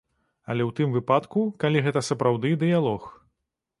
Але ў тым выпадку, калі гэта сапраўды дыялог.